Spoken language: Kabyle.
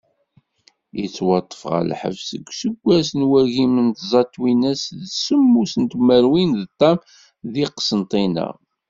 Yettwaṭṭef ɣer lḥebs deg useggas n wagim d tẓa twinas d semmus tmerwin d ṭam di Qsentina.